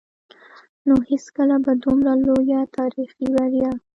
نو هېڅکله به دومره لويه تاريخي بريا